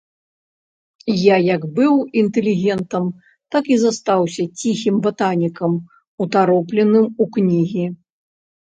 Я як быў інтэлігентам, так і застаўся ціхім батанікам, утаропленым у кнігі.